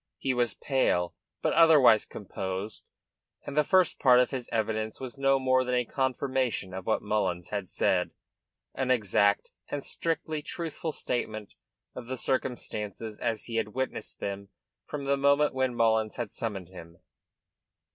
He was pale, but otherwise composed, and the first part of his evidence was no more than a confirmation of what Mullins had said, an exact and strictly truthful statement of the circumstances as he had witnessed them from the moment when Mullins had summoned him.